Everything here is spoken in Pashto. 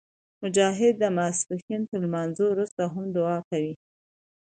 مجاهد د ماسپښین تر لمونځه وروسته هم دعا کوي.